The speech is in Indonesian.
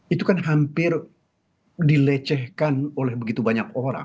itu kan hampir dilecehkan oleh begitu banyak orang